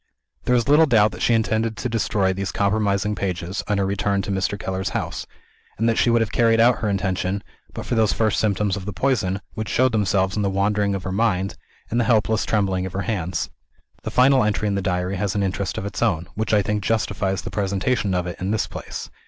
There is little doubt that she intended to destroy these compromising pages, on her return to Mr. Keller's house and that she would have carried out her intention, but for those first symptoms of the poison, which showed themselves in the wandering of her mind, and the helpless trembling of her hands. The final entry in the Diary has an interest of its own, which I think justifies the presentation of it in this place.